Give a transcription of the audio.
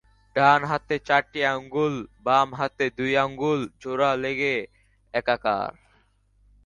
ডান হাতে চারটি আঙুল, বাম হাতে দুই আঙুল জোড়া লেগে একাকার।